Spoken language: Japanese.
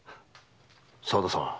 沢田さん。